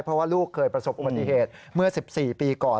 เพราะว่าลูกเคยประสบอุบัติเหตุเมื่อ๑๔ปีก่อน